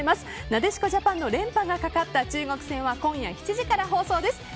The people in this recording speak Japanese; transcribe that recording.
なでしこジャパンの連覇がかかった中国戦は今夜７時から放送です。